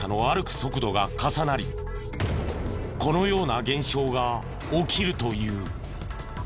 速度が重なりこのような現象が起きるという。